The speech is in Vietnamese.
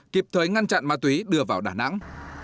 kịp thời ngăn chặn ma túy đưa vào đà nẵng